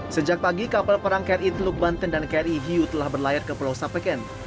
sejak pagi kapal perang kri teluk banten dan kri hiu telah berlayar ke pulau sapeken